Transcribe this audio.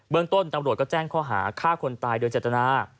เมืองต้นตำรวจก็แจ้งข้อหาฆ่าคนตายโดยเจตนา